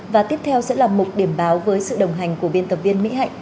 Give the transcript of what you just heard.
và tiếp theo sẽ là một điểm báo với sự đồng hành của biên tập viên mỹ hạnh